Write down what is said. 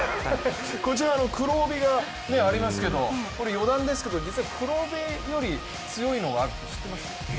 こちらの黒帯がありますけど余談ですけども、実は黒帯より強いのがあるって知ってます？